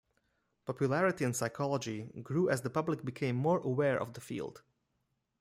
Popularity in psychology grew as the public became more aware of the field.